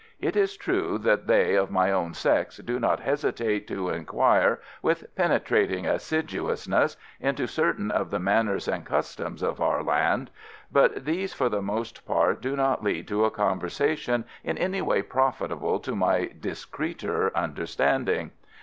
It is true that they of my own sex do not hesitate to inquire with penetrating assiduousness into certain of the manners and customs of our land, but these for the most part do not lead to a conversation in any way profitable to my discreeter understanding.